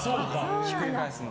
ひっくり返すの。